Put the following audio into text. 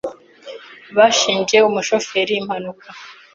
Bashinje umushoferi impanuka.